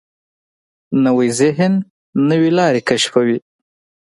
نوی ذهن نوې لارې کشفوي